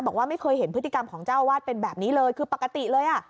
บอกว่าไม่เคยเห็นพฤติกรรมของเจ้าอาวาสเป็นแบบนี้เลยคือปกติเลยอ่ะ